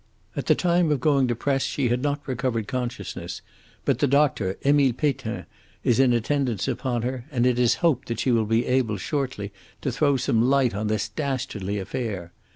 At the time of going to press she had not recovered consciousness, but the doctor, Emile Peytin, is in attendance upon her, and it is hoped that she will be able shortly to throw some light on this dastardly affair.